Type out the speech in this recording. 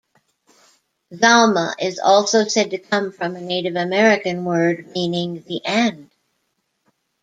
Zalma is also said to come from a Native American word meaning the end.